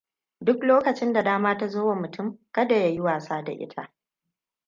Duk lokacin da dama ta zo wa mutum, kada ya yi wasa da ita.